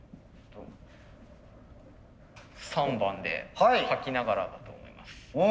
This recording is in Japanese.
３番で書きながらだと思います。